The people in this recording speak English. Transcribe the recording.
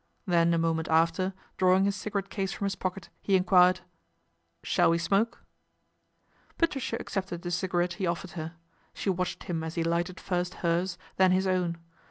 Then a moment after, drawing his cigarette case from his pocket, he enquired, " Shall we smoke ?" Patricia accepted the cigarette he offered her. She watched him as he lighted first hers, then his own.